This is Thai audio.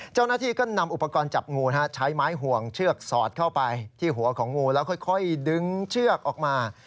เจ้าหน้าที่ก็นำอุปกรณ์จับงูใช้ไม้ห่วงเชือกสอดเข้าไปที่หัวของงูแล้วค่อยดึงเชือกออกมา